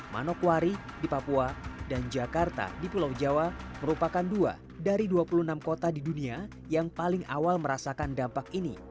manokwari di papua dan jakarta di pulau jawa merupakan dua dari dua puluh enam kota di dunia yang paling awal merasakan dampak ini